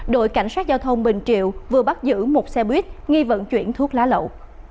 đội cảnh sát giao thông bình triệu vừa bắt giữ một xe buýt nghi vận chuyển thuốc lá lậu